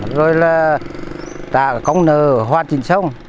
rồi là tạo công nợ hoàn chỉnh xong